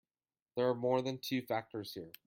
There are more than two factors here.